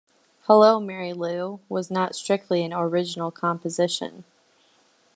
"Hello Mary Lou" was not strictly an original composition.